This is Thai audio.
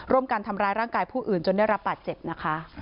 การทำร้ายร่างกายผู้อื่นจนได้รับบาดเจ็บนะคะ